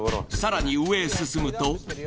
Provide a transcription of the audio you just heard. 更に上へ進むと。